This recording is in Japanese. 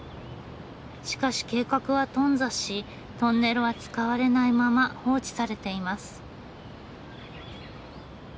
しかし計画は頓挫しトンネルは使われないまま放置されています。